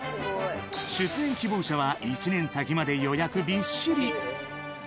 出演希望者は１年先まで予約びっしり。